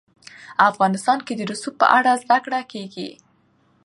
افغانستان کې د رسوب په اړه زده کړه کېږي.